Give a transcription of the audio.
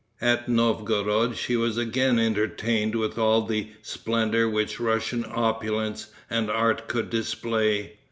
At Novgorod she was again entertained with all the splendor which Russian opulence and art could display.